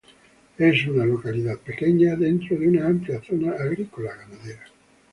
Es una localidad pequeña dentro de una amplia zona agrícola-ganadera.